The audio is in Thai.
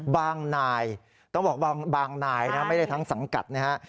นายต้องบอกบางนายนะไม่ได้ทั้งสังกัดนะฮะ